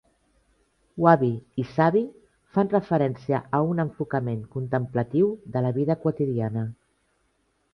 Wabi i sabi fan referència a un enfocament contemplatiu de la vida quotidiana.